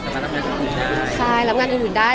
ใช่แต่ว่าคือน้องทำงานอื่นได้